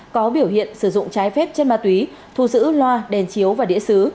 có biểu hiện sử dụng trái phép trên ma túy thu giữ loa đèn chiếu và đĩa xứ